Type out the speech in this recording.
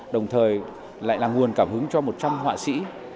đồng thời lại là nguồn cảm hứng cho một trăm linh họa sĩ